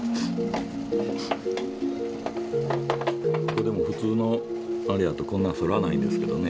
これも普通のあれやとこんな反らないんですけどね